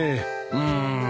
うん。